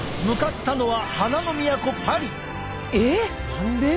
何で？